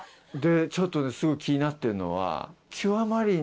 ちょっとすごい気になってるのは。